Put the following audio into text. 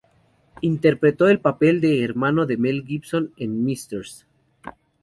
Interpretó el papel de hermano de Mel Gibson en "Mrs.